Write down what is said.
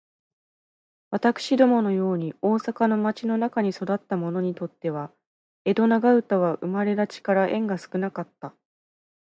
私どもの様に大阪の町の中に育つた者にとつては、江戸長唄は生れだちから縁が少かつた。